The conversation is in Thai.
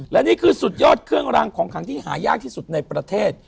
และนี่คือสุดยอดเครื่องรางของขังที่หายากที่สุดในประเทศ